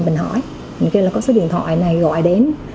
mình hỏi kêu là có số điện thoại này gọi đến